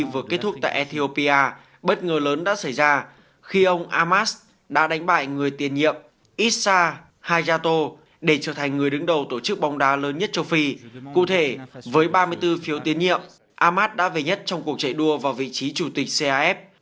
với ba mươi bốn phiếu tiến nhiệm ahmad đã về nhất trong cuộc chạy đua vào vị trí chủ tịch caf